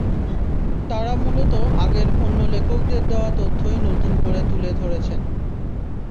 তাঁরা মূলত আগের অন্য লেখকদের দেওয়া তথ্যই নতুন করে তুলে ধরেছেন।